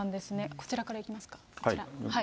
こちらからいきますか。